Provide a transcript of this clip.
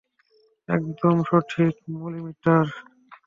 একদম সঠিক মলিমিটারে।